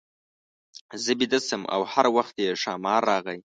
زه بېده شم او هر وخت چې ښامار راغی.